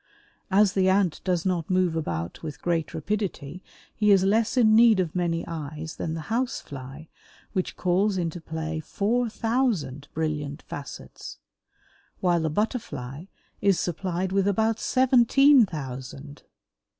As the Ant does not move about with great rapidity he is less in need of many eyes than the House fly which calls into play four thousand brilliant facets, while the Butterfly is supplied with about seventeen thousand.